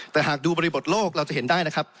แต่หากดูบริบทโลกเราจะเห็นได้นะครับ